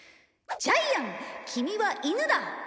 「ジャイアンキミは犬だ！」